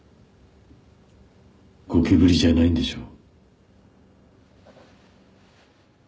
ゴキブリじゃないんでしょ？